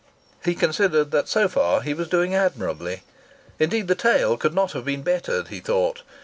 He considered that so far he was doing admirably. Indeed, the tale could not have been bettered, he thought.